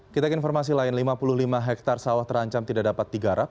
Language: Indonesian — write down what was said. kita ke informasi lain lima puluh lima hektare sawah terancam tidak dapat digarap